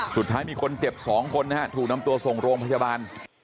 สุดท้ายมีคนเจ็บ๒คนนะฮะถูกนำตัวส่งโรงพยาบาล